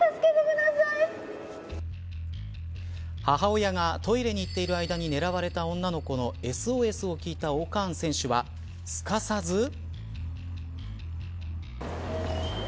母親がトイレに行っている間に狙われた女の子のＳＯＳを聞いたＯ‐カーン選手は、すかさず。